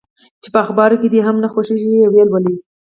چي په اخبارو کي دي هم نه خوښیږي چي یې ولولې؟